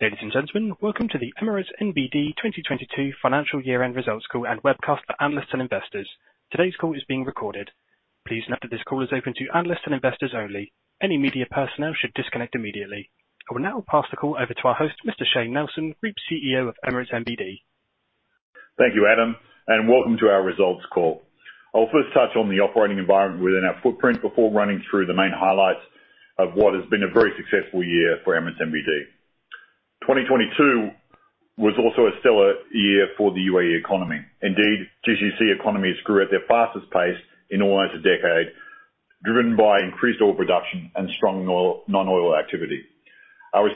Ladies and gentlemen, welcome to the Emirates NBD 2022 financial year-end results call and webcast for analysts and investors. Today's call is being recorded. Please note that this call is open to analysts and investors only. Any media personnel should disconnect immediately. I will now pass the call over to our host, Mr. Shayne Nelson, Group CEO of Emirates NBD. Thank you, Adam, and welcome to our results call. I'll first touch on the operating environment within our footprint before running through the main highlights of what has been a very successful year for Emirates NBD. 2022 was also a stellar year for the UAE economy. Indeed, GCC economies grew at their fastest pace in almost a decade, driven by increased oil production and strong non-oil activity. Our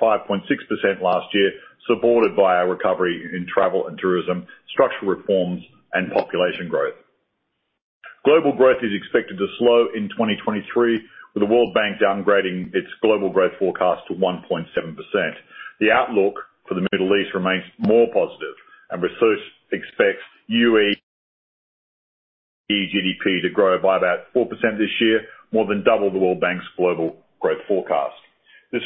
5.6% last year, supported by a recovery in travel and tourism, structural reforms, and population growth. Global growth is expected to slow in 2023, with the World Bank downgrading its global growth forecast to 1.7%. The outlook for the Middle East remains more positive and research expects UAE GDP to grow by about 4% this year, more than double the World Bank's global growth forecast. This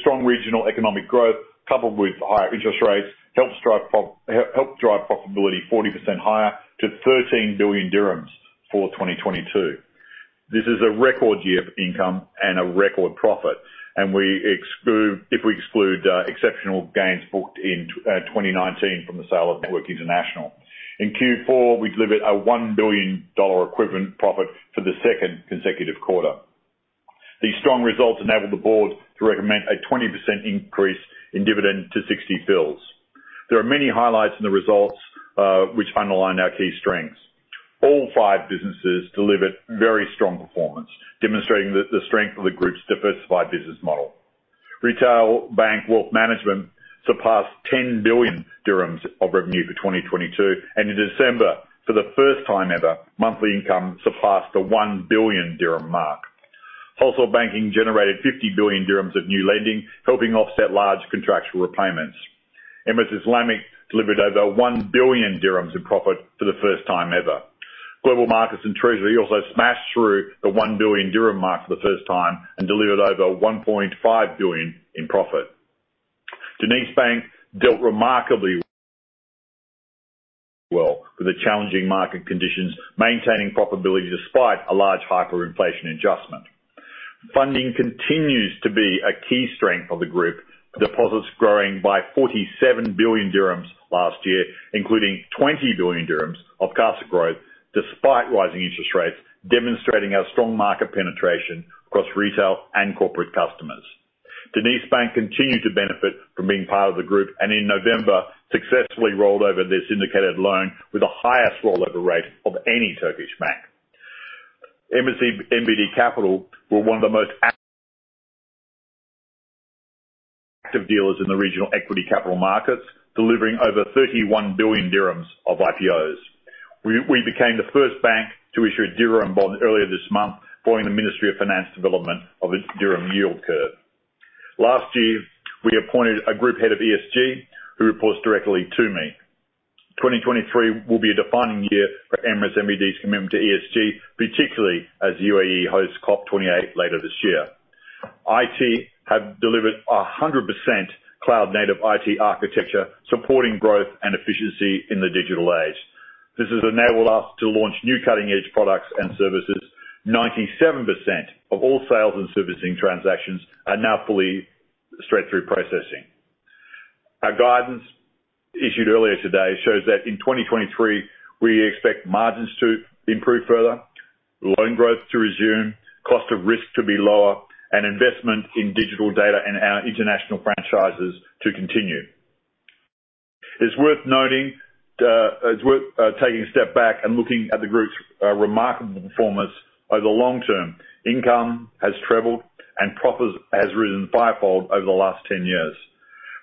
strong regional economic growth, coupled with higher interest rates, helped drive profitability 40% higher to 13 billion dirhams for 2022. This is a record year for income and a record profit, if we exclude exceptional gains booked in 2019 from the sale of Network International. In Q4, we delivered a $1 billion equivalent profit for the second consecutive quarter. These strong results enabled the board to recommend a 20% increase in dividend to 60 fils. There are many highlights in the results which underline our key strengths. All five businesses delivered very strong performance, demonstrating the strength of the group's diversified business model. Retail banking and wealth management surpassed 10 billion dirhams of revenue for 2022, and in December, for the first time ever, monthly income surpassed the 1 billion dirham mark. Wholesale banking generated 50 billion dirhams of new lending, helping offset large contractual repayments. Emirates Islamic delivered over 1 billion dirhams in profit for the first time ever. Global Markets and Treasury also smashed through the 1 billion dirham mark for the first time and delivered over 1.5 billion in profit. DenizBank dealt remarkably well with the challenging market conditions, maintaining profitability despite a large hyperinflation adjustment. Funding continues to be a key strength of the group. Deposits growing by 47 billion dirhams last year, including 20 billion dirhams of CASA growth despite rising interest rates, demonstrating our strong market penetration across retail and corporate customers. DenizBank continued to benefit from being part of the group. In November, successfully rolled over their syndicated loan with the highest rollover rate of any Turkish bank. Emirates NBD Capital were one of the most active dealers in the regional equity capital markets, delivering over 31 billion dirhams of IPOs. We became the first bank to issue a dirham bond earlier this month for the Ministry of Finance development of the dirham yield curve. Last year, we appointed a group head of ESG who reports directly to me. 2023 will be a defining year for Emirates NBD's commitment to ESG, particularly as UAE hosts COP28 later this year. IT have delivered a 100% cloud-native IT architecture supporting growth and efficiency in the digital age. This has enabled us to launch new cutting-edge products and services. 97% of all sales and servicing transactions are now fully straight-through processing. Our guidance issued earlier today shows that in 2023, we expect margins to improve further, loan growth to resume, cost of risk to be lower, and investment in digital data and our international franchises to continue. It's worth noting, it's worth taking a step back and looking at the group's remarkable performance over the long term. Income has trebled and profits has risen 5-fold over the last 10 years.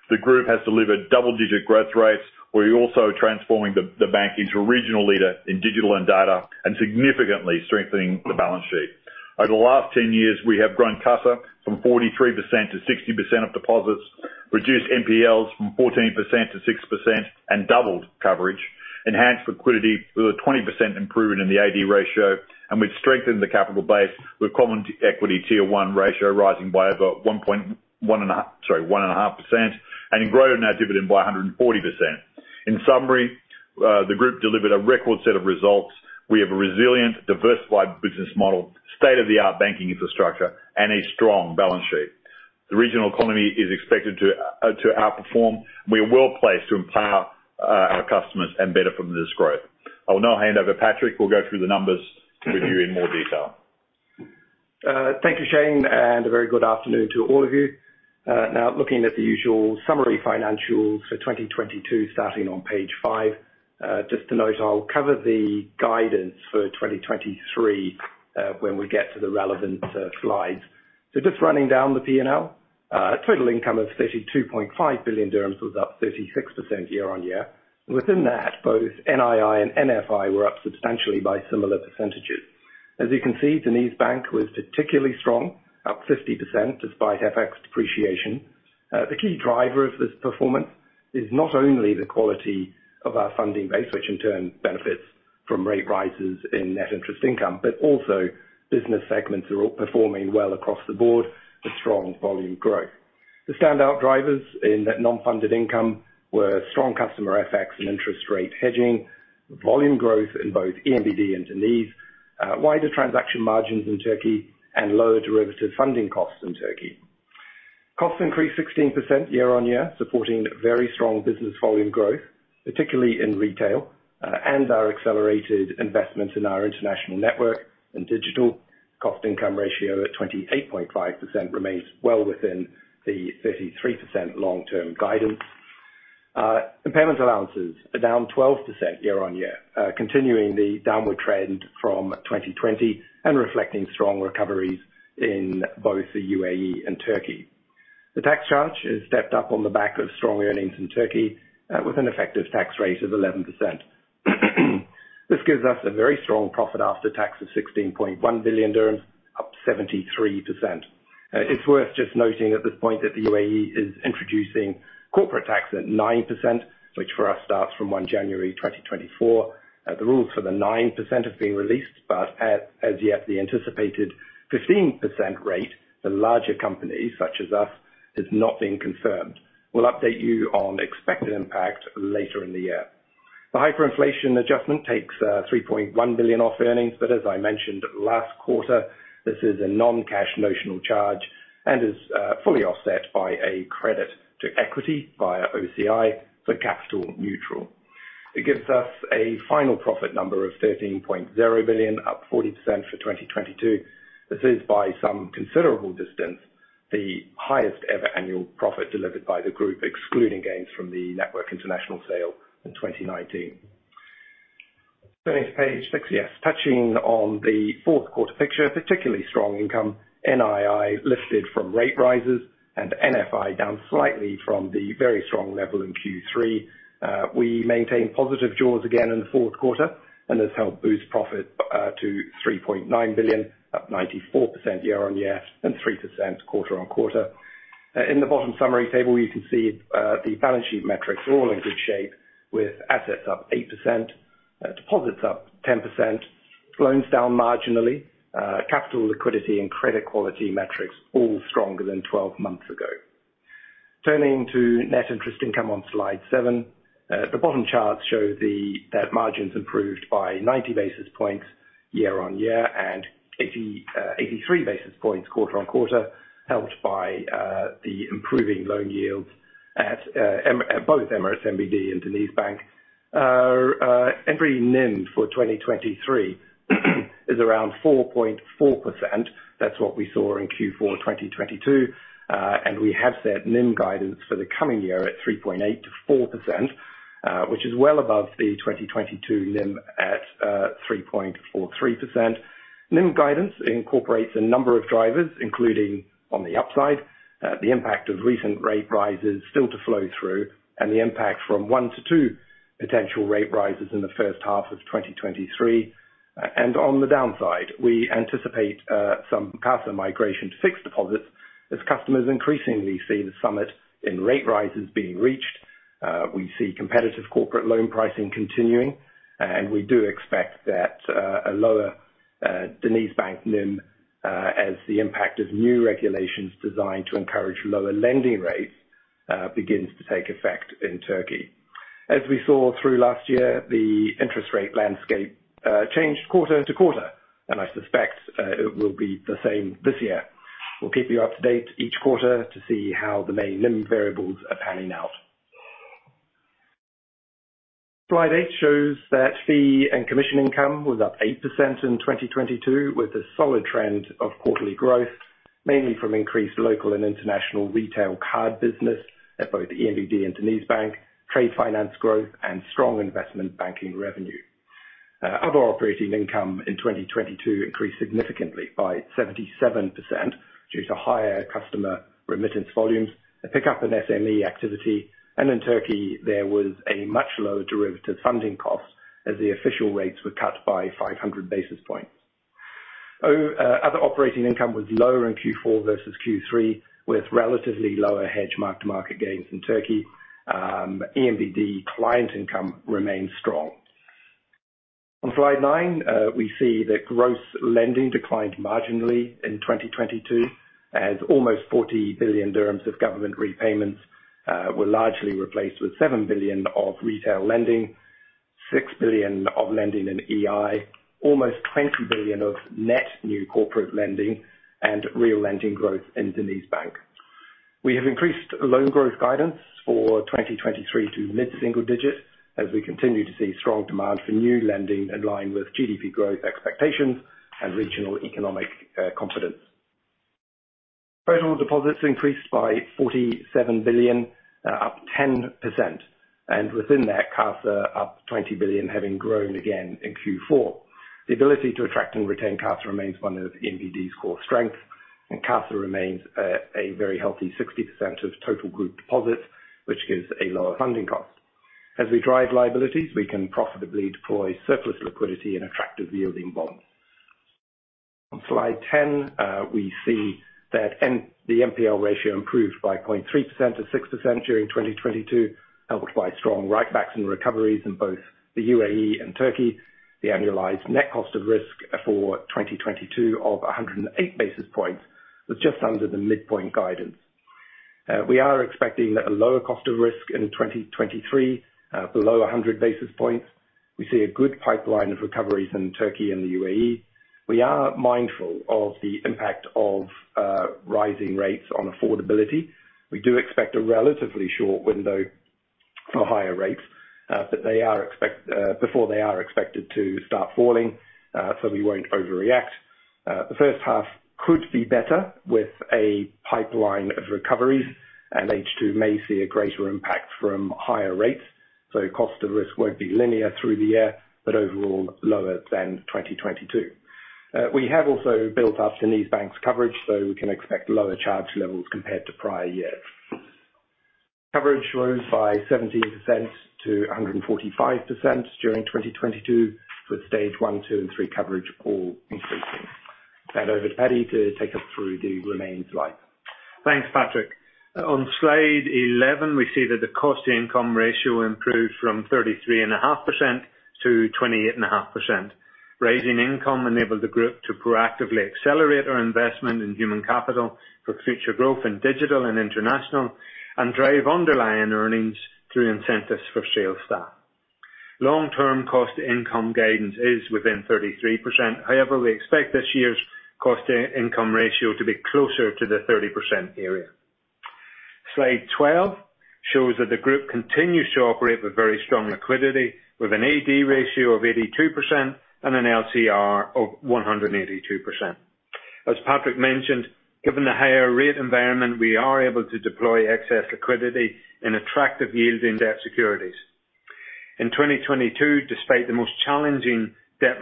The group has delivered double-digit growth rates. We're also transforming the bank into a regional leader in digital and data and significantly strengthening the balance sheet. Over the last 10 years, we have grown CASA from 43% to 60% of deposits, reduced NPLs from 14% to 6% and doubled coverage, enhanced liquidity with a 20% improvement in the AD ratio, and we've strengthened the capital base with Common Equity Tier 1 ratio rising by over 1.5%, and grown our dividend by 140%. In summary, the group delivered a record set of results. We have a resilient, diversified business model, state-of-the-art banking infrastructure, and a strong balance sheet. The regional economy is expected to outperform. We are well-placed to empower our customers and benefit from this growth. I will now hand over Patrick, who'll go through the numbers with you in more detail. Thank you, Shayne, and a very good afternoon to all of you. Now looking at the usual summary financials for 2022, starting on page five. Just to note, I'll cover the guidance for 2023, when we get to the relevant slides. So just running down the P&L. Total income of 32.5 billion dirhams was up 36% year-on-year. Within that, both NII and NFI were up substantially by similar percentages. You can see DenizBank was particularly strong, up 50% despite FX depreciation. The key driver of this performance is not only the quality of our funding base, which in turn benefits from rate rises in net interest income, but also business segments are all performing well across the board with strong volume growth. The standout drivers in net non-funded income were strong customer FX and interest rate hedging, volume growth in both Emirates NBD and Deniz, wider transaction margins in Turkey and lower derivative funding costs in Turkey. Costs increased 16% year-on-year, supporting very strong business volume growth, particularly in retail, and our accelerated investment in our international network and digital cost-income ratio at 28.5% remains well within the 33% long-term guidance. Impairment allowances are down 12% year-on-year, continuing the downward trend from 2020 and reflecting strong recoveries in both the UAE and Turkey. The tax charge has stepped up on the back of strong earnings in Turkey, with an effective tax rate of 11%. This gives us a very strong profit after tax of 16.1 billion dirhams, up 73%. It's worth just noting at this point that the UAE is introducing corporate tax at 9%, which for us starts from January 1, 2024. The rules for the 9% have been released, as yet, the anticipated 15% rate for larger companies such as us, has not been confirmed. We'll update you on expected impact later in the year. The hyperinflation adjustment takes 3.1 billion off earnings, as I mentioned last quarter, this is a non-cash notional charge and is fully offset by a credit to equity via OCI, so capital neutral. It gives us a final profit number of 13.0 billion, up 40% for 2022. This is by some considerable distance, the highest ever annual profit delivered by the group, excluding gains from the Network International sale in 2019. Turning to page 68. Touching on the fourth-quarter picture, particularly strong income, NII lifted from rate rises and NFI down slightly from the very strong level in Q3. We maintain positive jaws again in the fourth quarter and has helped boost profit to 3.9 billion, up 94% year-on-year and 3% quarter-on-quarter. In the bottom summary table, you can see the balance sheet metrics are all in good shape with assets up 8%, deposits up 10%, loans down marginally, capital liquidity and credit quality metrics all stronger than 12 months ago. Turning to net interest income on slide seven. The bottom charts show the net margins improved by 90 basis points year-on-year and 83 basis points quarter-on-quarter, helped by the improving loan yields at both Emirates NBD and DenizBank. Our Emirates NIM for 2023 is around 4.4%. That's what we saw in Q4 2022. We have set NIM guidance for the coming year at 3.8%-4%, which is well above the 2022 NIM at 3.43%. NIM guidance incorporates a number of drivers, including on the upside, the impact of recent rate rises still to flow through and the impact from 1-2 potential rate rises in the first half of 2023. On the downside, we anticipate some CASA migration to fixed deposits as customers increasingly see the summit in rate rises being reached. We see competitive corporate loan pricing continuing, and we do expect that a lower DenizBank NIM as the impact of new regulations designed to encourage lower lending rates begins to take effect in Turkey. As we saw through last year, the interest rate landscape changed quarter to quarter, and I suspect it will be the same this year. We'll keep you up to date each quarter to see how the main NIM variables are panning out. Slide 8 shows that fee and commission income was up 8% in 2022, with a solid trend of quarterly growth, mainly from increased local and international retail card business at both ENBD and DenizBank, trade finance growth and strong investment banking revenue. Other operating income in 2022 increased significantly by 77% due to higher customer remittance volumes, a pickup in SME activity. In Turkey there was a much lower derivative funding cost as the official rates were cut by 500 basis points. Other operating income was lower in Q4 versus Q3, with relatively lower hedge mark-to-market gains in Turkey. ENBD client income remained strong. On slide nine, we see that gross lending declined marginally in 2022, as almost 40 billion dirhams of government repayments were largely replaced with 7 billion of retail lending, 6 billion of lending in EI, almost 20 billion of net new corporate lending and real lending growth in DenizBank. We have increased loan growth guidance for 2023 to mid-single digit as we continue to see strong demand for new lending in line with GDP growth expectations and regional economic confidence. Total deposits increased by 47 billion, up 10%, and within that CASA up 20 billion, having grown again in Q4. The ability to attract and retain CASA remains one of ENBD's core strengths, and CASA remains a very healthy 60% of total group deposits, which gives a lower funding cost. As we drive liabilities, we can profitably deploy surplus liquidity and attractive yielding bonds. On slide 10, we see that the NPL ratio improved by 0.3% to 6% during 2022, helped by strong write-backs and recoveries in both the UAE and Turkey. The annualized net cost of risk for 2022 of 108 basis points was just under the midpoint guidance. We are expecting a lower cost of risk in 2023, below 100 basis points. We see a good pipeline of recoveries in Turkey and the UAE. We are mindful of the impact of rising rates on affordability. We do expect a relatively short window for higher rates, before they are expected to start falling, We won't overreact. The first half could be better with a pipeline of recoveries, H2 may see a greater impact from higher rates. Cost of risk won't be linear through the year, but overall lower than 2022. We have also built up to these banks' coverage, we can expect lower charge levels compared to prior years. Coverage rose by 17% to 145% during 2022, with Stage 1, 2, and 3 coverage all increasing. Hand over to Paddy to take us through the remaining slides. Thanks, Patrick. On slide 11, we see that the cost-to-income ratio improved from 33.5% to 28.5%. Raising income enabled the group to proactively accelerate our investment in human capital for future growth in digital and international, and drive underlying earnings through incentives for sales staff. Long-term cost-to-income guidance is within 33%. We expect this year's cost-to-income ratio to be closer to the 30% area. Slide 12 shows that the group continues to operate with very strong liquidity, with an AD ratio of 82% and an LCR of 182%. As Patrick mentioned, given the higher rate environment, we are able to deploy excess liquidity in attractive yielding debt securities. In 2022, despite the most challenging debt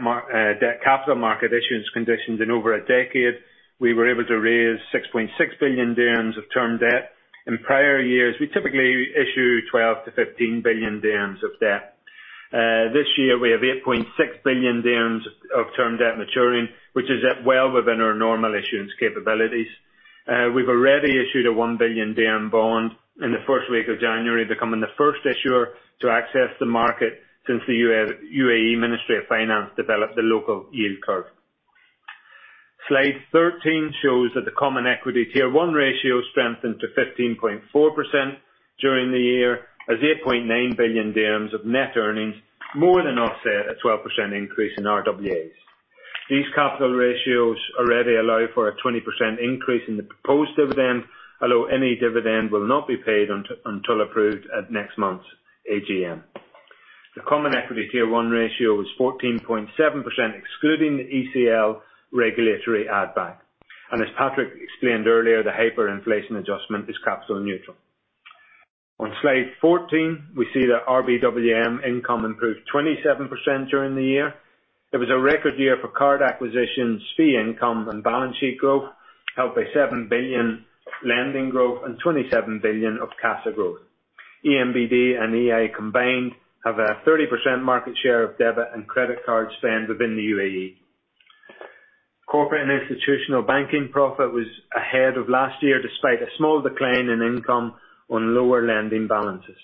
capital market issuance conditions in over a decade, we were able to raise 6.6 billion dirhams of term debt. In prior years, we typically issue 12 billion-15 billion dirhams of debt. This year we have 8.6 billion dirhams of term debt maturing, which is at well within our normal issuance capabilities. We've already issued a 1 billion bond in the first week of January, becoming the first issuer to access the market since the UAE Ministry of Finance developed the local yield curve. Slide 13 shows that the Common Equity Tier 1 ratio strengthened to 15.4% during the year, as 8.9 billion dirhams of net earnings more than offset a 12% increase in RWAs. These capital ratios already allow for a 20% increase in the proposed dividend, although any dividend will not be paid until approved at next month's AGM. The Common Equity Tier 1 ratio is 14.7%, excluding the ECL regulatory add-back. As Patrick explained earlier, the hyperinflation adjustment is capital neutral. On slide 14, we see that RBWM income improved 27% during the year. It was a record year for card acquisitions, fee income, and balance sheet growth, helped by 7 billion lending growth and 27 billion of CASA growth. Emirates NBD and Emirates Islamic combined have a 30% market share of debit and credit card spend within the UAE. Corporate and institutional banking profit was ahead of last year, despite a small decline in income on lower lending balances.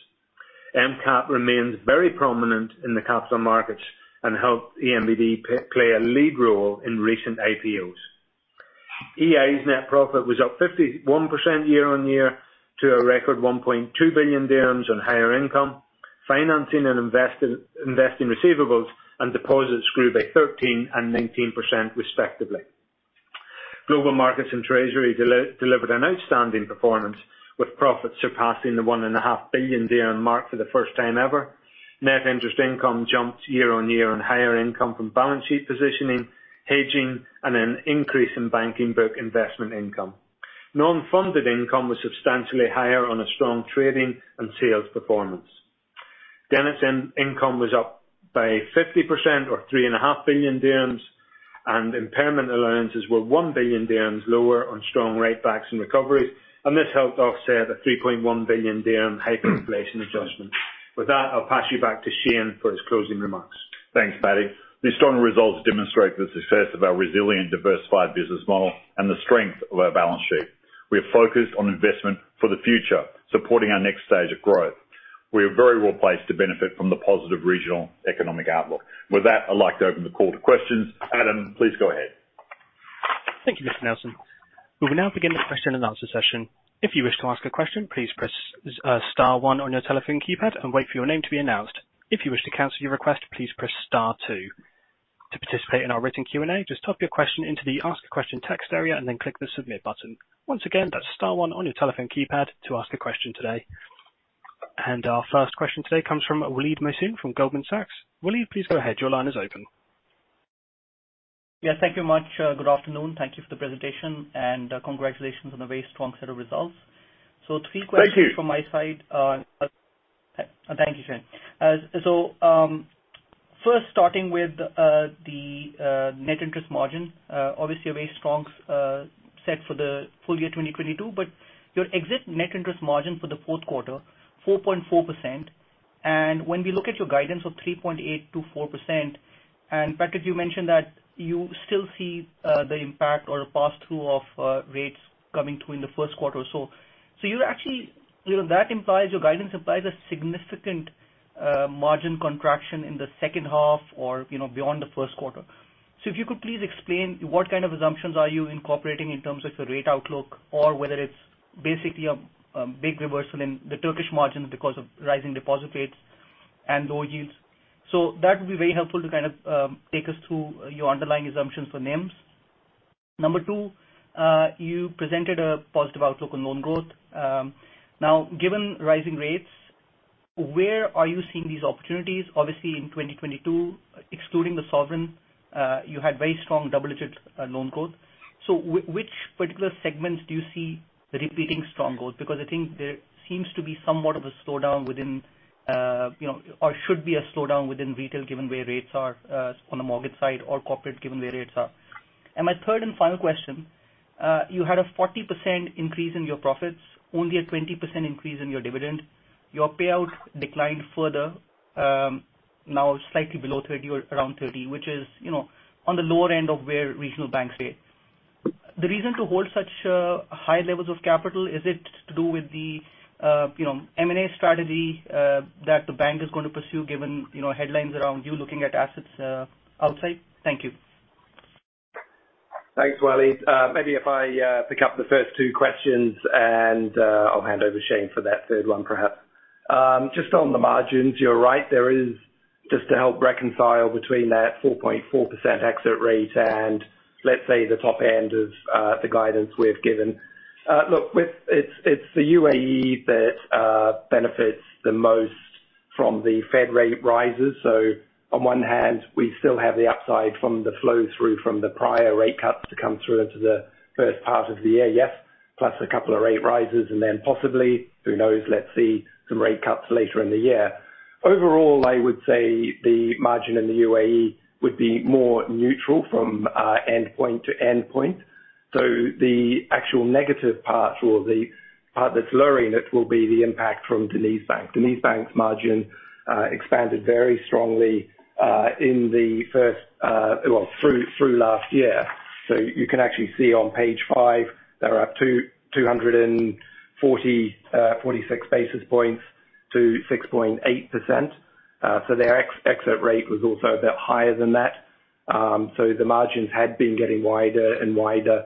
MCap remains very prominent in the capital markets and helped EMBD play a lead role in recent IPOs. EI's net profit was up 51% year-on-year to a record 1.2 billion dirhams on higher income. Financing and investing receivables and deposits grew by 13% and 19% respectively. Global Markets and Treasury delivered an outstanding performance, with profits surpassing the one and a half billion dirham mark for the first time ever. Net interest income jumped year-on-year on higher income from balance sheet positioning, hedging, and an increase in banking book investment income. Non-funded income was substantially higher on a strong trading and sales performance. DenizBank income was up by 50% or three and a half billion dirhams, impairment allowances were 1 billion dirhams lower on strong write-backs and recoveries. This helped offset a 3.1 billion dirham hyperinflation adjustment. With that, I'll pass you back to Shayne for his closing remarks. Thanks, Paddy. These strong results demonstrate the success of our resilient, diversified business model and the strength of our balance sheet. We are focused on investment for the future, supporting our next stage of growth. We are very well-placed to benefit from the positive regional economic outlook. With that, I'd like to open the call to questions. Adam, please go ahead. Thank you, Mr. Nelson. We will now begin the question and answer session. If you wish to ask a question, please press star one on your telephone keypad and wait for your name to be announced. If you wish to cancel your request, please press star two. To participate in our written Q&A, just type your question into the Ask a Question text area and then click the Submit button. Once again, that's star one on your telephone keypad to ask a question today. Our first question today comes from Waleed Mohsin from Goldman Sachs. Waleed, please go ahead. Your line is open. Yeah, thank you much. Good afternoon. Thank you for the presentation, and congratulations on a very strong set of results. 3 questions... Thank you. from my side, Thank you, Shayne Nelson. So, first starting with the net interest margin, obviously a very strong set for the full year 2022, but your exit net interest margin for the fourth quarter, 4.4%. When we look at your guidance of 3.8%-4%, Patrick Clerkin, you mentioned that you still see the impact or the pass-through of rates coming through in the first quarter or so. You actually, you know, that implies your guidance implies a significant margin contraction in the second half or, you know, beyond the first quarter. If you could please explain what kind of assumptions are you incorporating in terms of the rate outlook or whether it's basically a big reversal in the Turkish margin because of rising deposit rates and low yields. That would be very helpful to kind of take us through your underlying assumptions for NIMS. Number two, you presented a positive outlook on loan growth. Now, given rising rates, where are you seeing these opportunities? Obviously, in 2022, excluding the sovereign, you had very strong double-digit loan growth. Which particular segments do you see repeating strong growth? Because I think there seems to be somewhat of a slowdown within, you know, or should be a slowdown within retail, given where rates are on the mortgage side or corporate, given where rates are. My third and final question, you had a 40% increase in your profits, only a 20% increase in your dividend. Your payout declined further, now slightly below 30 or around 30, which is, you know, on the lower end of where regional banks sit. The reason to hold such high levels of capital, is it to do with the, you know, M&A strategy that the bank is gonna pursue given, you know, headlines around you looking at assets outside? Thank you. Thanks, Waleed. Maybe if I pick up the first two questions and I'll hand over Shayne for that third one perhaps. Just on the margins, you're right, there is just to help reconcile between that 4.4% exit rate and let's say the top end of the guidance we've given. Look, It's, it's the UAE that benefits the most from the Fed rate rises. On one hand, we still have the upside from the flow through from the prior rate cuts to come through into the first part of the year, yes, plus a couple of rate rises, and then possibly, who knows, let's see some rate cuts later in the year. Overall, I would say the margin in the UAE would be more neutral from endpoint to endpoint. The actual negative part or the part that's lowering it will be the impact from DenizBank. DenizBank's margin expanded very strongly in the first through last year. You can actually see on page five, they're up 246 basis points to 6.8%. Their ex-exit rate was also a bit higher than that. The margins had been getting wider and wider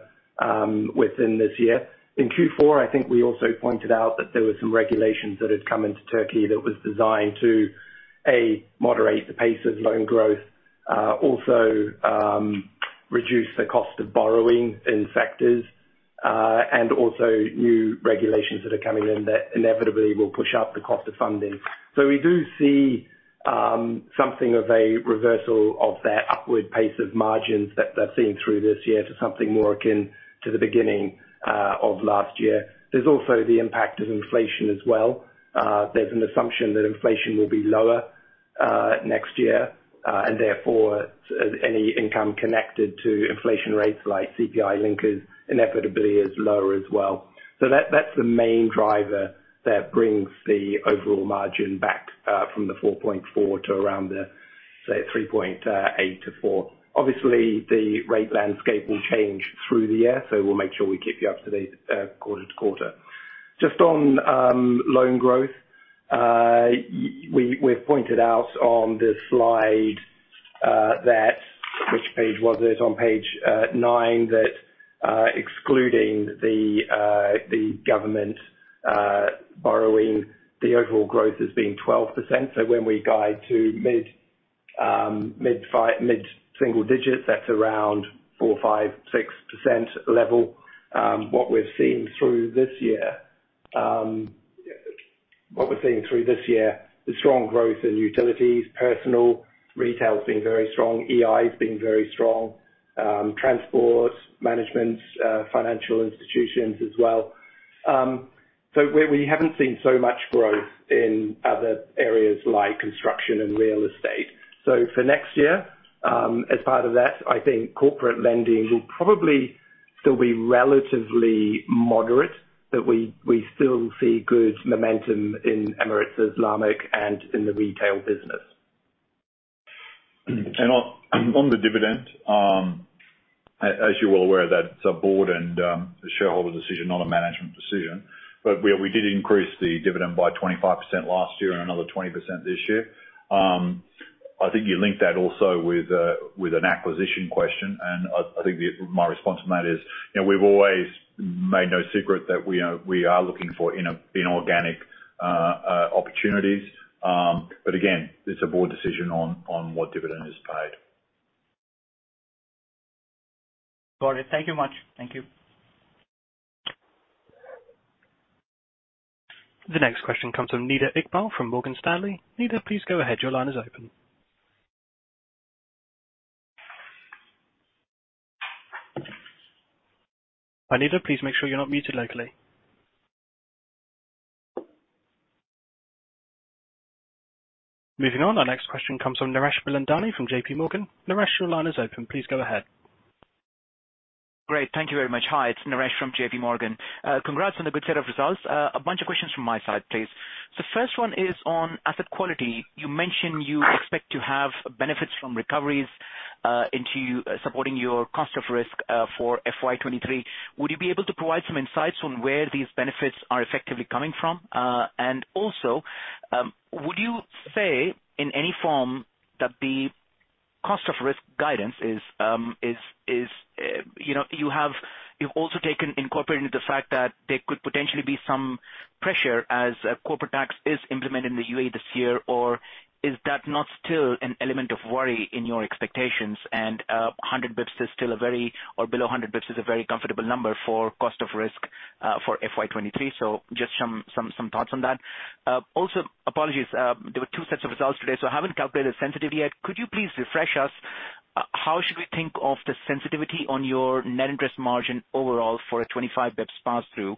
within this year. In Q4, I think we also pointed out that there were some regulations that had come into Turkey that was designed to, A, moderate the pace of loan growth, also reduce the cost of borrowing in sectors, and also new regulations that are coming in that inevitably will push up the cost of funding. We do see something of a reversal of that upward pace of margins that seen through this year to something more akin to the beginning of last year. There's also the impact of inflation as well. There's an assumption that inflation will be lower next year, and therefore any income connected to inflation rates like CPI link is inevitably lower as well. That's the main driver that brings the overall margin back from the 4.4% to around the say 3.8%-4%. Obviously, the rate landscape will change through the year, so we'll make sure we keep you up to date quarter-to-quarter. Just on loan growth. We've pointed out on this slide that... Which page was it? On page 9, that excluding the government borrowing, the overall growth as being 12%. When we guide to mid-five, mid-single digits, that's around 4%, 5%, 6% level. What we're seeing through this year is strong growth in utilities, personal, retail has been very strong, EI has been very strong, transport, management, financial institutions as well. We haven't seen so much growth in other areas like construction and real estate. For next year, as part of that, I think corporate lending will probably still be relatively moderate, but we still see good momentum in Emirates Islamic and in the retail business. On the dividend, as you're well aware, that's a board and a shareholder decision, not a management decision. We did increase the dividend by 25% last year and another 20% this year. I think you linked that also with an acquisition question. I think My response to that is, you know, we've always made no secret that we are looking for inorganic opportunities. Again, it's a board decision on what dividend is paid. Got it. Thank you much. Thank you. The next question comes from Nida Iqbal from Morgan Stanley. Nida, please go ahead. Your line is open. Nida, please make sure you're not muted locally. Moving on, our next question comes from Naresh Bilandani from JPMorgan. Naresh, your line is open. Please go ahead. Great. Thank you very much. Hi, it's Naresh from JPMorgan. Congrats on the good set of results. A bunch of questions from my side, please. First one is on asset quality. You mentioned you expect to have benefits from recoveries, into supporting your cost of risk, for FY 2023. Would you be able to provide some insights on where these benefits are effectively coming from? And also, you know, would you say in any form that the cost of risk guidance is, you've also taken incorporating the fact that there could potentially be some pressure as corporate tax is implemented in the UAE this year? Or is that not still an element of worry in your expectations and 100 basis points is still a very, or below 100 basis points is a very comfortable number for cost of risk for FY 2023. Just some thoughts on that. Also, apologies, there were two sets of results today, so I haven't calculated sensitivity yet. Could you please refresh us, how should we think of the sensitivity on your net interest margin overall for a 25 basis points pass through,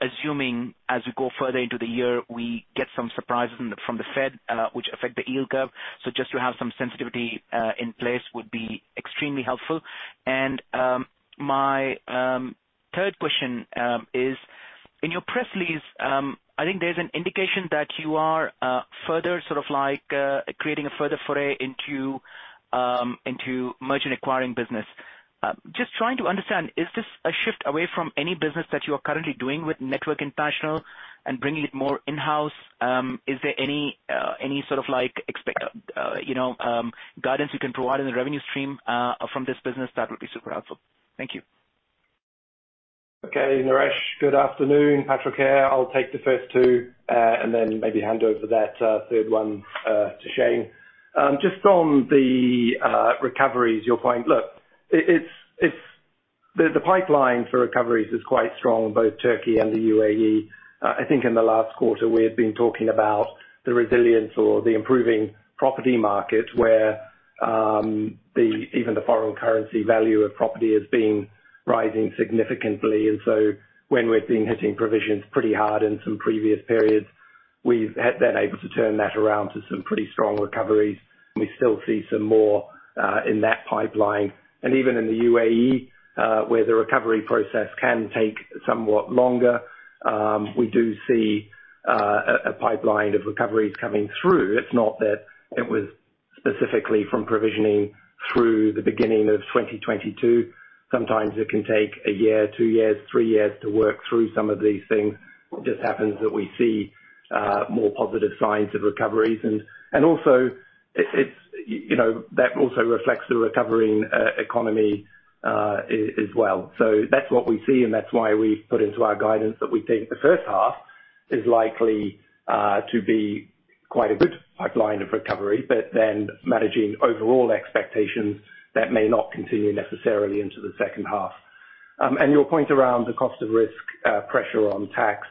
assuming as we go further into the year, we get some surprises from the Fed, which affect the yield curve. Just to have some sensitivity in place would be extremely helpful. My third question is in your press release, I think there's an indication that you are further sort of like creating a further foray into merchant acquiring business. Just trying to understand, is this a shift away from any business that you are currently doing with Network International and bringing it more in-house? Is there any sort of like expect, you know, guidance you can provide in the revenue stream from this business? That would be super helpful. Thank you. Okay, Naresh, good afternoon. Patrick here. I'll take the first two, and then maybe hand over that third one to Shayne. Just on the recoveries, your point. Look, it's the pipeline for recoveries is quite strong, both Turkey and the UAE. I think in the last quarter, we had been talking about the resilience or the improving property market where the even the foreign currency value of property has been rising significantly. And so when we've been hitting provisions pretty hard in some previous periods, we've had then able to turn that around to some pretty strong recoveries. We still see some more in that pipeline. And even in the UAE, where the recovery process can take somewhat longer, we do see a pipeline of recoveries coming through. It's not that it was specifically from provisioning through the beginning of 2022. Sometimes it can take one year, two years, three years to work through some of these things. It just happens that we see more positive signs of recoveries. Also it's, you know, that also reflects the recovering economy as well. That's what we see, and that's why we put into our guidance that we think the first half is likely to be quite a good pipeline of recovery. Managing overall expectations that may not continue necessarily into the second half. Your point around the cost of risk, pressure on tax.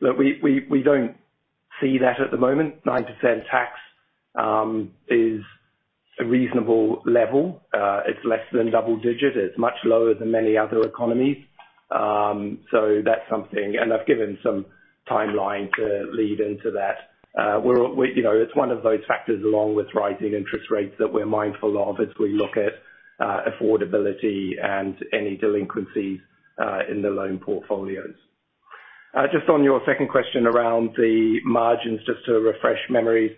Look, we, we don't see that at the moment. 9% tax is a reasonable level. It's less than double digit. It's much lower than many other economies. That's something. I've given some timeline to lead into that. You know, it's one of those factors along with rising interest rates that we're mindful of as we look at affordability and any delinquencies in the loan portfolios. Just on your second question around the margins, just to refresh memories.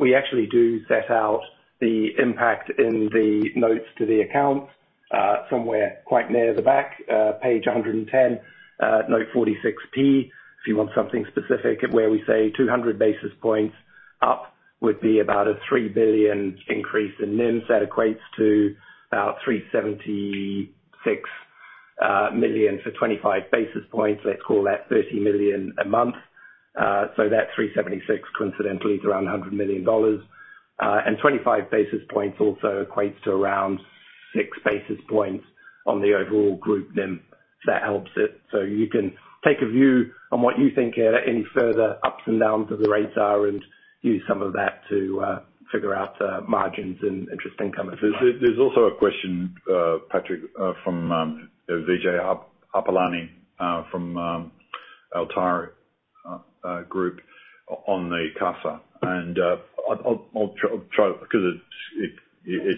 We actually do set out the impact in the notes to the accounts, somewhere quite near the back, page 110, note 46 P. If you want something specific at where we say 200 basis points up would be about a 3 billion increase in NIM. That equates to about 376 million for 25 basis points. Let's call that 30 million a month. That 376 coincidentally is around $100 million. 25 basis points also equates to around 6 basis points on the overall group NIM. That helps it. You can take a view on what you think any further ups and downs of the rates are and use some of that to figure out margins and interest income. There's also a question, Patrick, from Vijay Harpalani, from Al Tayer Group on the CASA. I'll try because it's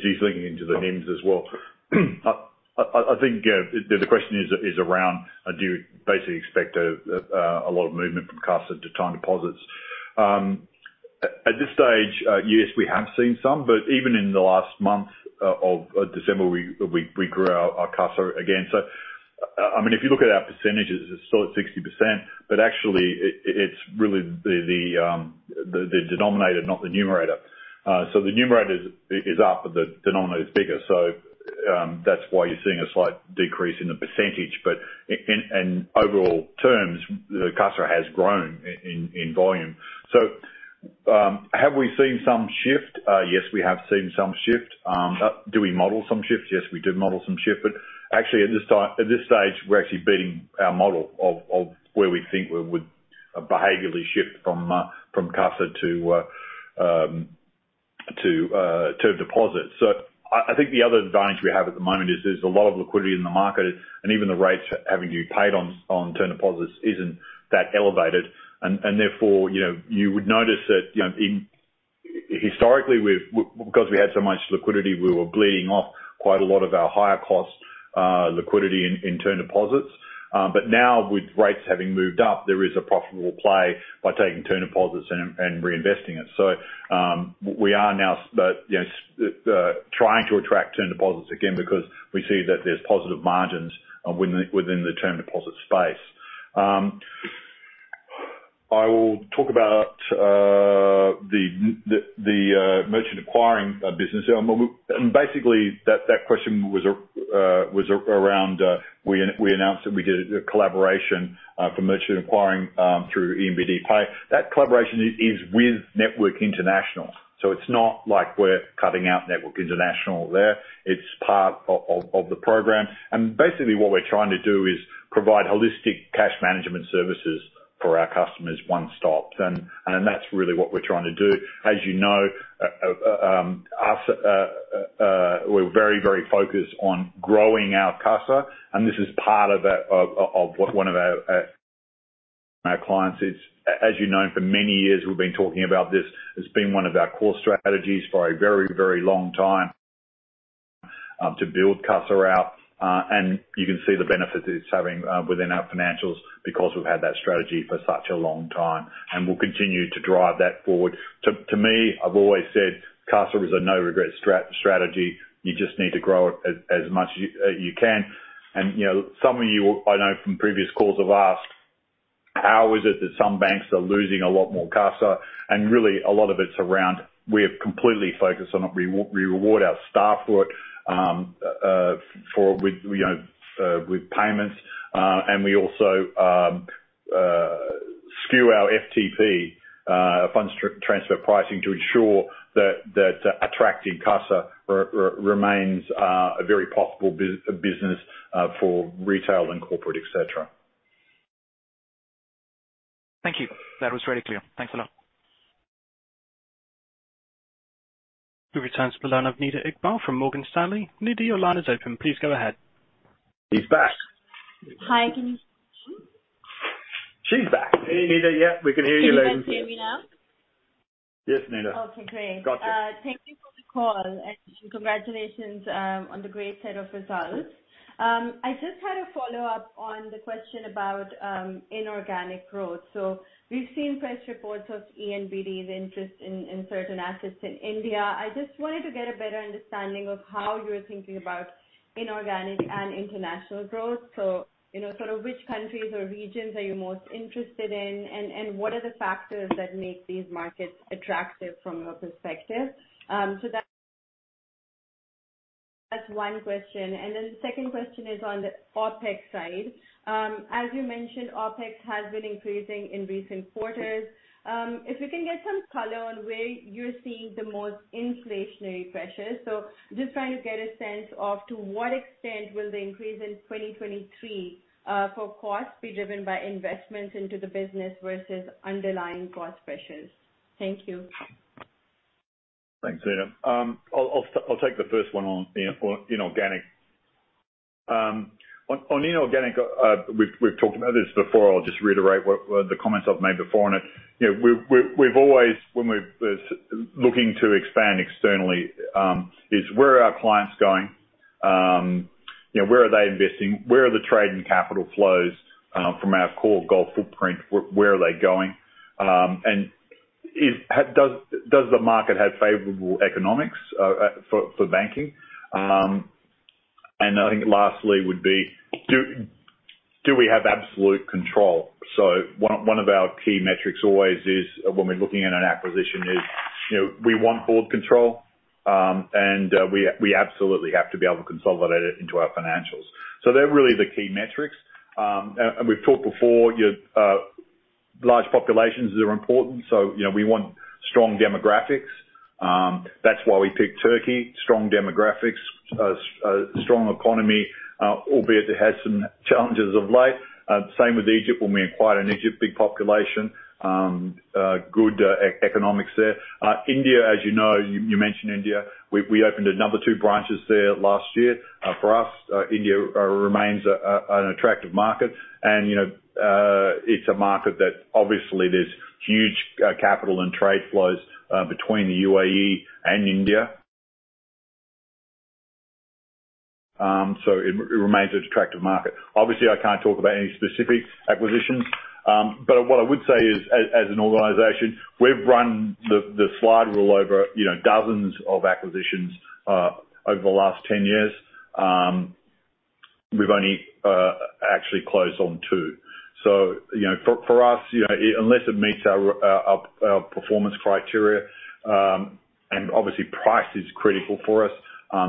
easily linking into the NIMs as well. I think the question is around do you basically expect a lot of movement from CASA to time deposits? At this stage, yes, we have seen some, but even in the last month of December, we grew our CASA again. I mean, if you look at our percentages, it's still at 60%, but actually it's really the denominator, not the numerator. The numerator is up, but the denominator is bigger. That's why you're seeing a slight decrease in the percentage. In overall terms, the CASA has grown in volume. Have we seen some shift? Yes, we have seen some shift. Do we model some shifts? Yes, we do model some shift. Actually at this stage, we're actually beating our model of where we think we would behaviorally shift from CASA to term deposits. I think the other advantage we have at the moment is there's a lot of liquidity in the market, and even the rates having paid on term deposits isn't that elevated. Therefore, you know, you would notice that, you know, Historically, we've because we had so much liquidity, we were bleeding off quite a lot of our higher cost liquidity in term deposits. Now with rates having moved up, there is a profitable play by taking term deposits and reinvesting it. We are now, you know, trying to attract term deposits again because we see that there's positive margins within the term deposit space. I will talk about the merchant acquiring business. And basically, that question was around we announced that we did a collaboration for merchant acquiring through ENBD Pay. That collaboration is with Network International. It's not like we're cutting out Network International there. It's part of the program. Basically what we're trying to do is provide holistic cash management services for our customers one-stop. That's really what we're trying to do. As you know, us, we're very, very focused on growing our CASA. This is part of one of our clients. As you know, for many years we've been talking about this. It's been one of our core strategies for a very, very long time to build CASA out. And you can see the benefit that it's having within our financials because we've had that strategy for such a long time, and we'll continue to drive that forward. To me, I've always said CASA is a no regret strategy. You just need to grow it as much you can. You know, some of you, I know from previous calls have asked, how is it that some banks are losing a lot more CASA? Really a lot of it's around we're completely focused on it. We reward our staff for it, for, with, you know, with payments. We also skew our FTP funds transfer pricing, to ensure that attracting CASA remains a very possible business for retail and corporate, et cetera. Thank you. That was really clear. Thanks a lot. We return to the line of Nida Iqbal from Morgan Stanley. Nida, your line is open. Please go ahead. She's back. Hi. She's back. Hey, Nida. Yeah, we can hear you now. Can you guys hear me now? Yes, Nida. Okay, great. Gotcha. Thank you for the call and congratulations on the great set of results. I just had a follow-up on the question about inorganic growth. We've seen press reports of ENBD's interest in certain assets in India. I just wanted to get a better understanding of how you're thinking about inorganic and international growth. Which countries or regions are you most interested in and what are the factors that make these markets attractive from your perspective? That's one question. The second question is on the OpEx side. As you mentioned, OpEx has been increasing in recent quarters. If you can get some color on where you're seeing the most inflationary pressures. Just trying to get a sense of to what extent will the increase in 2023 for costs be driven by investments into the business versus underlying cost pressures. Thank you. Thanks, Nida. I'll take the first one on, you know, on inorganic. On inorganic, we've talked about this before. I'll just reiterate what the comments I've made before on it. You know, we've always, when we're looking to expand externally, is where are our clients going? You know, where are they investing? Where are the trade and capital flows from our core Gulf footprint, where are they going? Is, does the market have favorable economics for banking? I think lastly would be, do we have absolute control? So one of our key metrics always is when we're looking at an acquisition is, you know, we want board control, and we absolutely have to be able to consolidate it into our financials. They're really the key metrics. And we've talked before, you know, large populations are important, you know, we want strong demographics. That's why we picked Turkey, strong demographics, strong economy, albeit it has some challenges of late. Same with Egypt, when we acquired in Egypt, big population, good economics there. India, as you know, you mentioned India. We opened two branches there last year. For us, India remains an attractive market. You know, it's a market that obviously there's huge capital and trade flows between the UAE and India. It remains an attractive market. Obviously, I can't talk about any specific acquisitions, but what I would say is as an organization, we've run the slide rule over, you know, dozens of acquisitions over the last 10 years. We've only actually closed on two. You know, for us, you know, unless it meets our performance criteria, and obviously price is critical for us,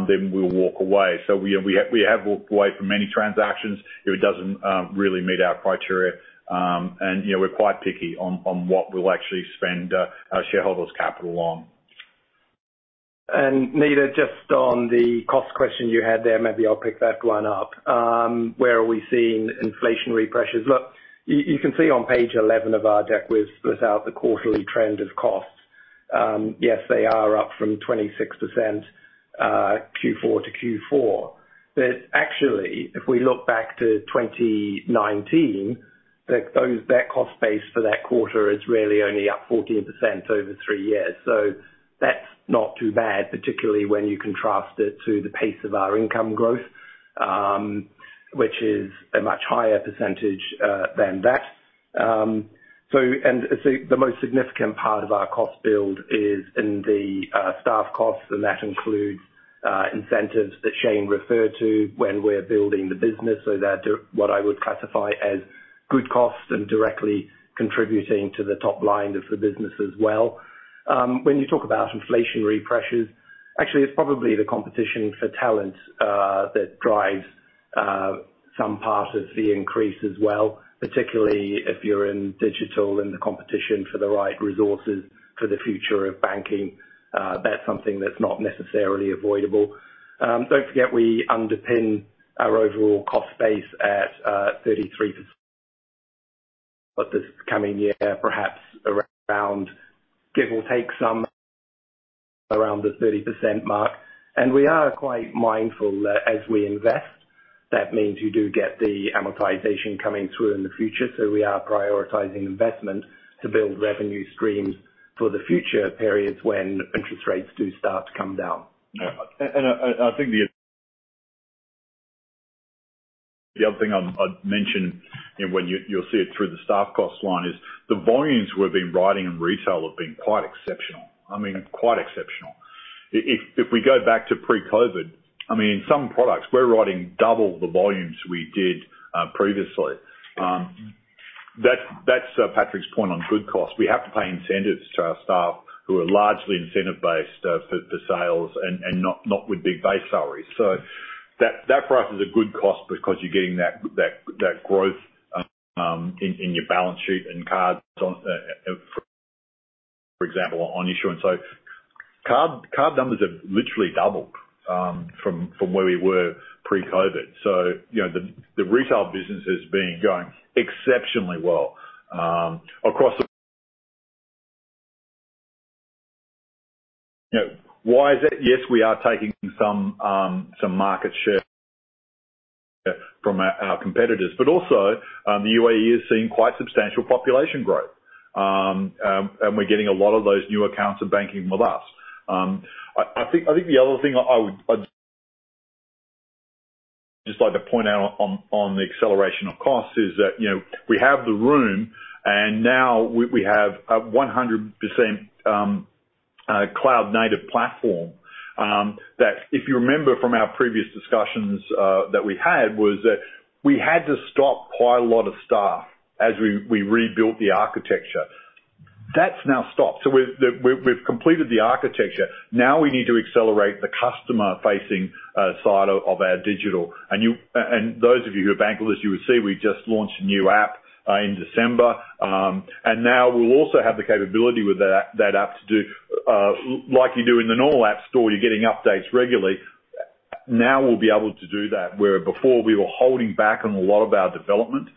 then we'll walk away. We have walked away from many transactions if it doesn't really meet our criteria. You know, we're quite picky on what we'll actually spend our shareholders' capital on. Nida, just on the cost question you had there, maybe I'll pick that one up. Where are we seeing inflationary pressures? Look, you can see on page 11 of our deck, we've split out the quarterly trend of costs. Yes, they are up from 26%, Q4 to Q4. Actually, if we look back to 2019, like that cost base for that quarter is really only up 14% over three years. That's not too bad, particularly when you contrast it to the pace of our income growth, which is a much higher percentage than that. The most significant part of our cost build is in the staff costs, and that includes incentives that Shayne referred to when we're building the business. What I would classify as good costs and directly contributing to the top line of the business as well. When you talk about inflationary pressures, actually, it's probably the competition for talent that drives some part of the increase as well, particularly if you're in digital and the competition for the right resources for the future of banking. That's something that's not necessarily avoidable. Don't forget, we underpin our overall cost base at 33% this coming year, perhaps around, give or take some, around the 30% mark. We are quite mindful that as we invest, that means you do get the amortization coming through in the future. We are prioritizing investment to build revenue streams for the future periods when interest rates do start to come down. Yeah. And I think the other thing I'd mention, when you'll see it through the staff cost line, is the volumes we've been writing in retail have been quite exceptional. I mean, quite exceptional. If we go back to pre-COVID, I mean, in some products, we're writing double the volumes we did previously. That's Patrick's point on good costs. We have to pay incentives to our staff who are largely incentive-based for sales and not with big base salaries. That for us is a good cost because you're getting that growth in your balance sheet and cards on, for example, on issuance. Card numbers have literally doubled from where we were pre-COVID. You know, the retail business has been going exceptionally well, across the... You know, why is that? Yes, we are taking some market share from our competitors. Also, the UAE is seeing quite substantial population growth. We're getting a lot of those new accounts are banking with us. I think, I think the other thing I'd just like to point out on the acceleration of costs is that, you know, we have the room, and now we have a 100% cloud-native platform. That if you remember from our previous discussions, that we had was that we had to stop quite a lot of staff as we rebuilt the architecture. That's now stopped. We've completed the architecture. Now we need to accelerate the customer-facing side of our digital. Those of you who are bankers, you would see we just launched a new app in December. Now we'll also have the capability with that app to do like you do in the normal app store, you're getting updates regularly. Now we'll be able to do that, where before we were holding back on a lot of our development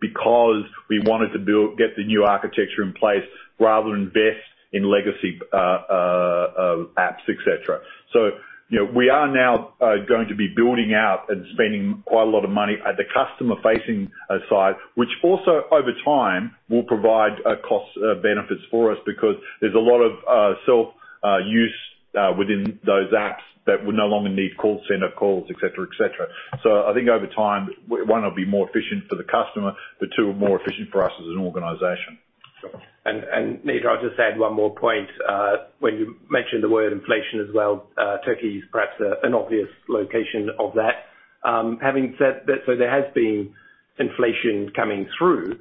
because we wanted to get the new architecture in place rather than invest in legacy apps, et cetera. You know, we are now going to be building out and spending quite a lot of money at the customer-facing side, which also over time will provide cost benefits for us because there's a lot of self use within those apps that would no longer need call center calls, et cetera, et cetera. I think over time, one, it'll be more efficient for the customer, but two, more efficient for us as an organization. Nida, I'll just add one more point. When you mentioned the word inflation as well, Turkey is perhaps an obvious location of that. Having said that, there has been inflation coming through.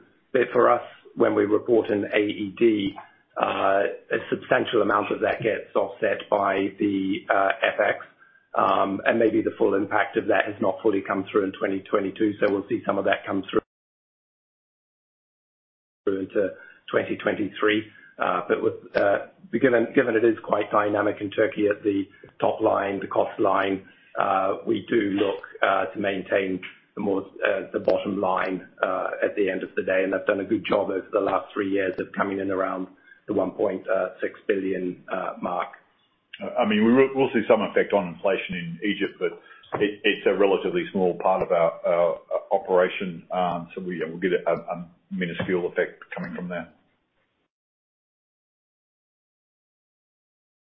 For us, when we report an AED, a substantial amount of that gets offset by the FX, and maybe the full impact of that has not fully come through in 2022. We'll see some of that come through to 2023. With given it is quite dynamic in Turkey at the top line, the cost line, we do look to maintain the more the bottom line at the end of the day. They've done a good job over the last three years of coming in around the 1.6 billion mark. I mean, we will, we'll see some effect on inflation in Egypt, but it's a relatively small part of our operation. We'll get a minuscule effect coming from there.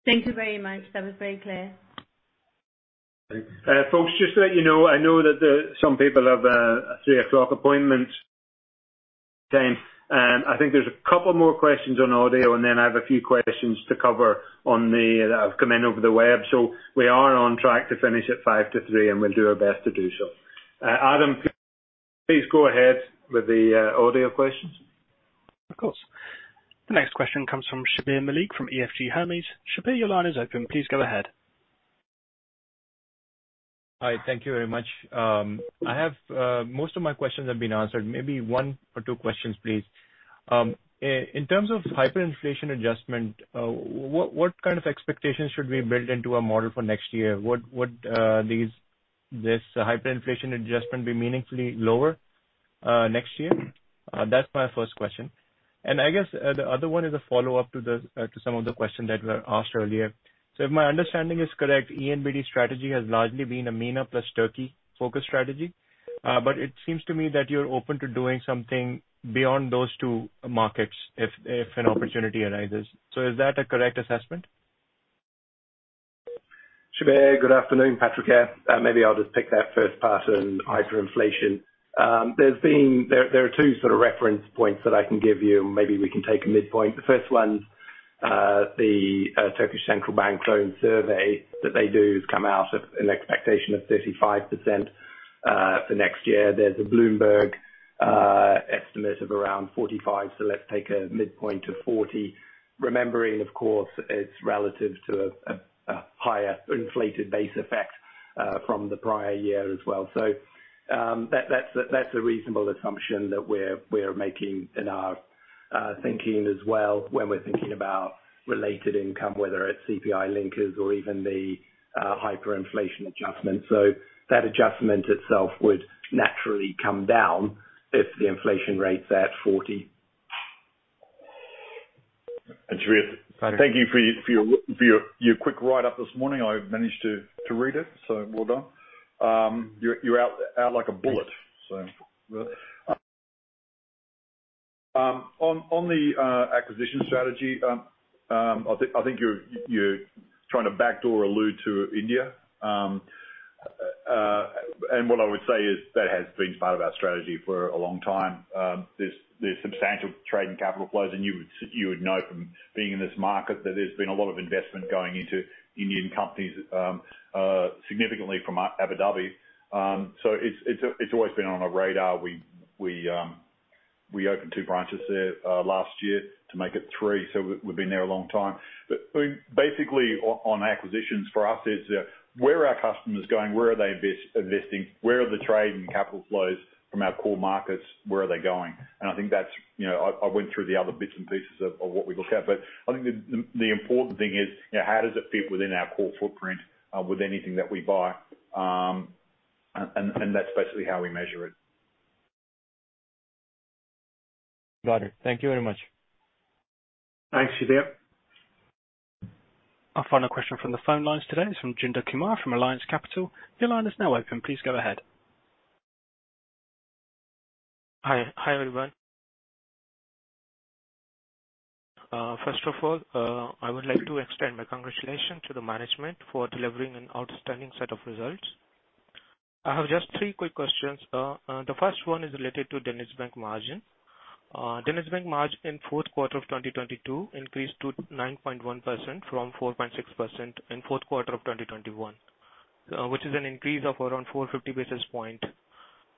Thank you very much. That was very clear. Thank you. Folks, just to let you know, I know that some people have a 3:00 P.M. appointment time. I think there's a couple more questions on audio, and then I have a few questions to cover on the that have come in over the web. We are on track to finish at 5 to 3:00 P.M., and we'll do our best to do so. Adam, please go ahead with the audio questions. Of course. The next question comes from Shabbir Malik from EFG Hermes. Shabbir, your line is open. Please go ahead. Hi, thank you very much. I have most of my questions have been answered. Maybe one or two questions, please. In terms of hyperinflation adjustment, what kind of expectations should we build into our model for next year? Would this hyperinflation adjustment be meaningfully lower next year? That's my first question. I guess the other one is a follow-up to some of the question that were asked earlier. If my understanding is correct, ENB's strategy has largely been a Mena plus Turkey-focused strategy. It seems to me that you're open to doing something beyond those two markets if an opportunity arises. Is that a correct assessment? Shabbir, good afternoon. Patrick here. maybe I'll just pick that first part on hyperinflation. There are two sort of reference points that I can give you. Maybe we can take a midpoint. The first one, the Turkish Central Bank loan survey that they do has come out of an expectation of 35% for next year. There's a Bloomberg estimate of around 45, so let's take a midpoint of 40. Remembering, of course, it's relative to a higher inflated base effect from the prior year as well. that's a reasonable assumption that we're making in our thinking as well, when we're thinking about related income, whether it's CPI linkers or even the hyperinflation adjustment. That adjustment itself would naturally come down if the inflation rate's at 40. Shabbir, thank you for your quick write-up this morning. I managed to read it, so well done. You're out like a bullet, so. On the acquisition strategy, I think you're trying to backdoor allude to India. What I would say is that has been part of our strategy for a long time. There's substantial trade and capital flows, and you would know from being in this market that there's been a lot of investment going into Indian companies, significantly from Abu Dhabi. So it's always been on our radar. We opened two branches there last year to make it three, so we've been there a long time. I mean, basically on acquisitions for us is, where are our customers going? Where are they investing? Where are the trade and capital flows from our core markets? Where are they going? I think that's, you know. I went through the other bits and pieces of what we look at, I think the important thing is, you know, how does it fit within our core footprint, with anything that we buy? And that's basically how we measure it. Got it. Thank you very much. Thanks, Shabbir. Our final question from the phone lines today is from Chander Kumar from Al Ramz Capital. Your line is now open. Please go ahead. Hi, everyone. First of all, I would like to extend my congratulations to the management for delivering an outstanding set of results. I have just three quick questions. The first one is related to DenizBank margin. DenizBank margin in fourth quarter of 2022 increased to 9.1% from 4.6% in fourth quarter of 2021, which is an increase of around 450 basis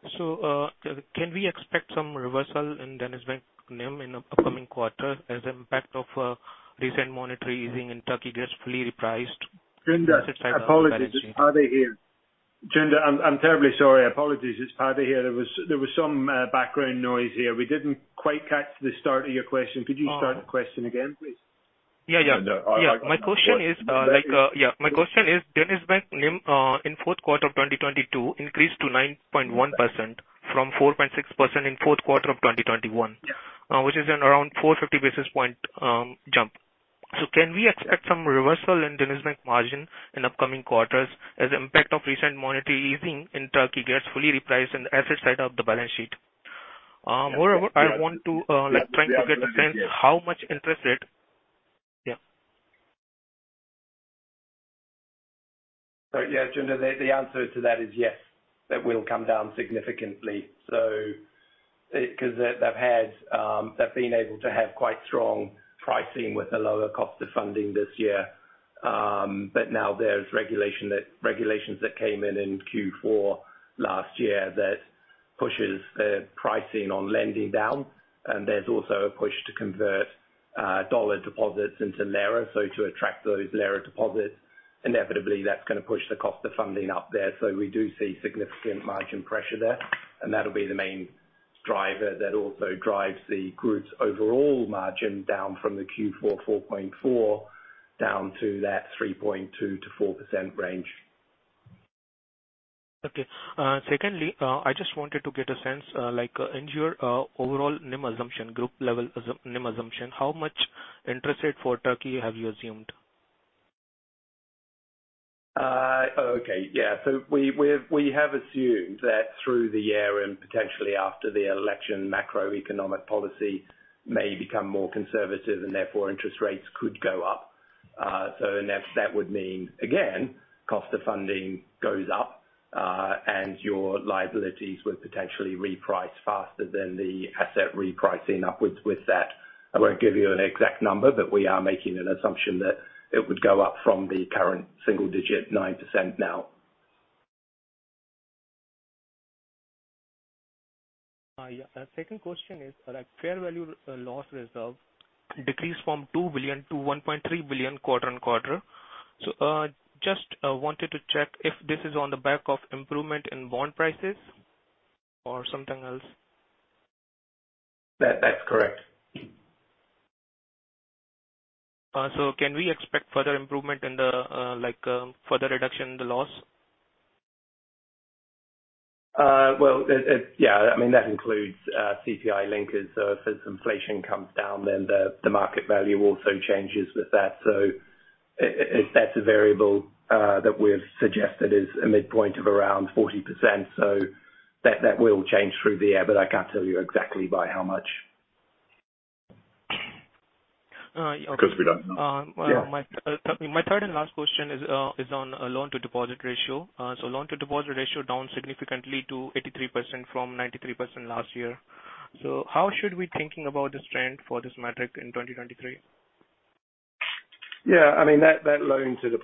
points. Can we expect some reversal in DenizBank NIM in the upcoming quarter as impact of recent monetary easing in Turkey gets fully repriced... Chander, apologies. It's Paddy here. Chander, I'm terribly sorry. Apologies. It's Paddy here. There was some background noise here. We didn't quite catch the start of your question. Could you start the question again, please? Yeah. My question is, like, DenizBank NIM in fourth quarter of 2022 increased to 9.1% from 4.6% in fourth quarter of 2021, which is an around 450 basis point jump. Can we expect some reversal in DenizBank margin in upcoming quarters as the impact of recent monetary easing in Turkey gets fully repriced in the asset side of the balance sheet? Moreover, I want to, like, try to get a sense how much interest rate... Yeah. Yeah, Chander, the answer to that is yes. That will come down significantly. 'Cause they've had quite strong pricing with the lower cost of funding this year. But now there's regulations that came in in Q4 last year that pushes the pricing on lending down, and there's also a push to convert dollar deposits into lira. To attract those lira deposits, inevitably that's gonna push the cost of funding up there. We do see significant margin pressure there, and that'll be the main driver that also drives the group's overall margin down from the Q4 4.4%, down to that 3.2%-4% range. Okay. Secondly, I just wanted to get a sense, like, in your overall NIM assumption, group level NIM assumption, how much interest rate for Turkey have you assumed? Okay, yeah. We have assumed that through the year and potentially after the election, macroeconomic policy may become more conservative and therefore interest rates could go up. And that would mean, again, cost of funding goes up, and your liabilities would potentially reprice faster than the asset repricing upwards with that. I won't give you an exact number, but we are making an assumption that it would go up from the current single digit 9% now. Second question is, fair value, loss reserve decreased from 2 billion to 1.3 billion quarter-on-quarter. Just wanted to check if this is on the back of improvement in bond prices or something else? That's correct. Can we expect further improvement in the, like, further reduction in the loss? Well, it, yeah. I mean that includes CPI linkers. As inflation comes down, then the market value also changes with that. If that's a variable that we've suggested is a midpoint of around 40%, so that will change through the year, but I can't tell you exactly by how much. All right. Because we don't know. My third and last question is on a loan to deposit ratio. Loan to deposit ratio down significantly to 83% from 93% last year. How should we thinking about this trend for this metric in 2023? Yeah, I mean that loan to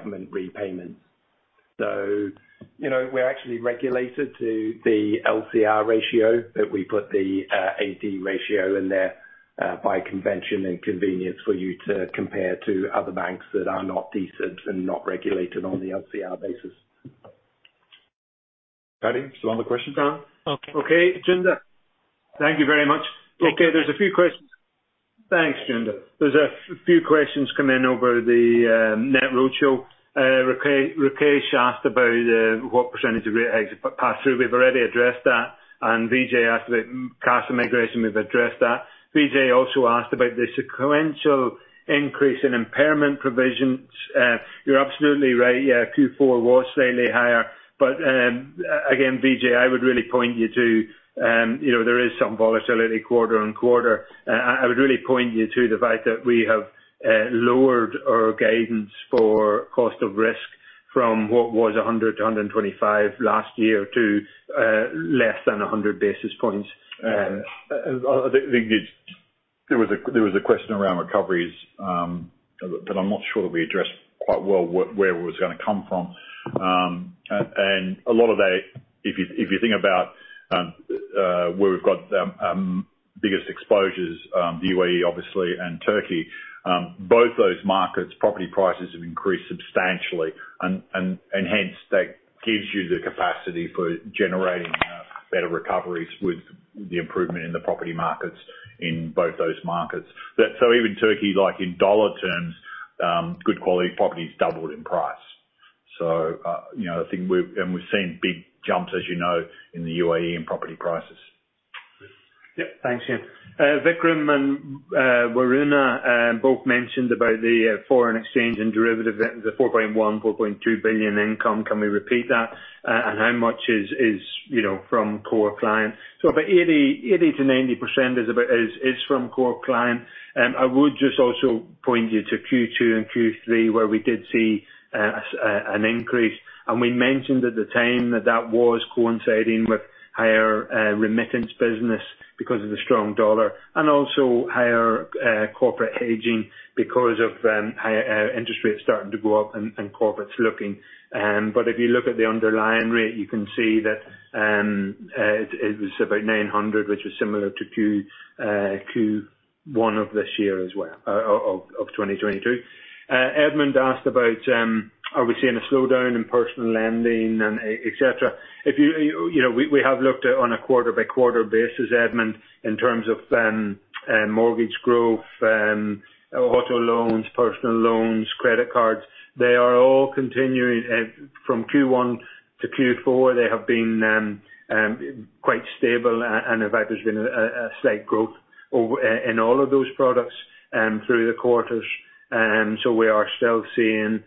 government repayment. You know, we're actually regulated to the LCR ratio, we put the AD ratio in there by convention and convenience for you to compare to other banks that are not decent and not regulated on the LCR basis. Patty, still other questions? Okay. Okay. Chander, thank you very much. Okay. There's a few questions. Thanks, Chander. There's a few questions come in over the NetRoadshow. Rakesh asked about what percentage of rate hikes pass through. We've already addressed that. Vijay asked about customer migration. We've addressed that. Vijay also asked about the sequential increase in impairment provisions. You're absolutely right. Yeah. Q4 was slightly higher, but again, Vijay, I would really point you to, you know, there is some volatility quarter and quarter. I would really point you to the fact that we have lowered our guidance for cost of risk from what was 100 to 125 last year to less than 100 basis points. I think it's. There was a question around recoveries, I'm not sure that we addressed quite well where it was gonna come from. A lot of that, if you think about where we've got biggest exposures, the UAE obviously, and Turkey, both those markets, property prices have increased substantially and hence, that gives you the capacity for generating better recoveries with the improvement in the property markets in both those markets. Even Turkey, like in dollar terms, good quality properties doubled in price. You know, I think we've seen big jumps, as you know, in the UAE in property prices. Yeah. Thanks, Shayne. Vikram and Varuna both mentioned about the foreign exchange and derivative, the 4.1 billion-4.2 billion income. Can we repeat that? How much is, you know, from core clients? So about 80%-90% is about is from core clients. I would just also point you to Q2 and Q3 where we did see an increase. We mentioned at the time that that was coinciding with higher remittance business because of the strong dollar and also higher corporate hedging because of high interest rates starting to go up and corporates looking. If you look at the underlying rate, you can see that it was about 900, which was similar to Q1 of this year as well, of 2022. Edmund asked about, are we seeing a slowdown in personal lending and et cetera. If you know, we have looked at on a quarter-by-quarter basis, Edmund, in terms of mortgage growth, auto loans, personal loans, credit cards. They are all continuing. From Q1 to Q4, they have been quite stable and in fact, there's been a slight growth in all of those products through the quarters. We are still seeing,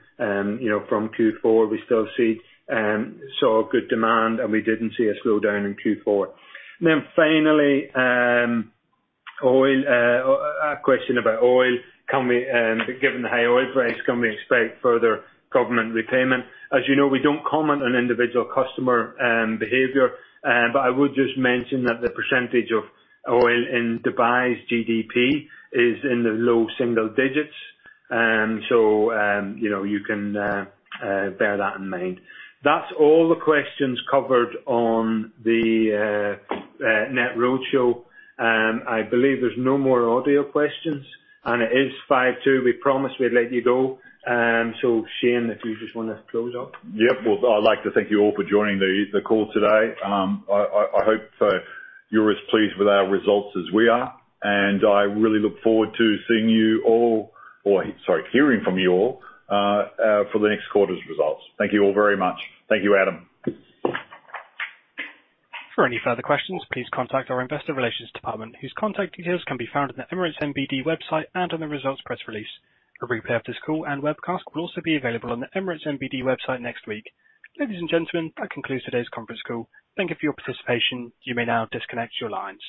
you know, from Q4, we still saw good demand and we didn't see a slowdown in Q4. Finally, oil. A question about oil. Can we, given the high oil price, can we expect further government repayment? As you know, we don't comment on individual customer behavior. I would just mention that the percentage of oil in Dubai's GDP is in the low single digits. You know, you can bear that in mind. That's all the questions covered on the NetRoadshow. I believe there's no more audio questions, and it is 5:02 P.M. We promised we'd let you go. Shayne, if you just wanna close off. Yep. Well, I'd like to thank you all for joining the call today. I hope you're as pleased with our results as we are, and I really look forward to seeing you all, or sorry, hearing from you all, for the next quarter's results. Thank you all very much. Thank you, Adam. For any further questions, please contact our investor relations department whose contact details can be found on the Emirates NBD website and on the results press release. A replay of this call and webcast will also be available on the Emirates NBD website next week. Ladies and gentlemen, that concludes today's conference call. Thank you for your participation. You may now disconnect your lines.